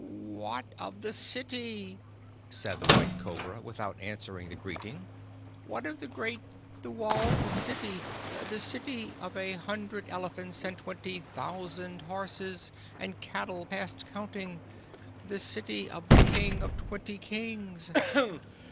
"What of my city?" said the White Cobra, without answering the greeting. "What of the great, the walled city the city of a hundred elephants and twenty thousand horses, and cattle past counting the city of the King of Twenty Kings?